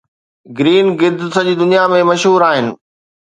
green گدھ سڄي دنيا ۾ مشهور آهن